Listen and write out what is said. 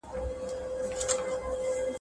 بې نوره ورځي بې شمعي شپې دي !.